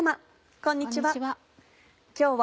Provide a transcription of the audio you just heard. こんにちは。